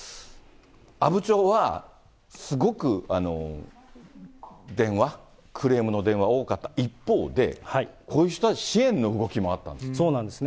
阿武町は、すごく電話、クレームの電話多かった一方で、こういう人たち、そうなんです。